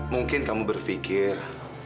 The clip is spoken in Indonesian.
mungkin kamu berpikir